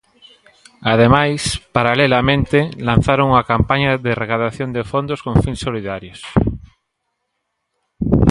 Ademais, paralelamente, lanzaron unha campaña de recadación de fondos con fins solidarios.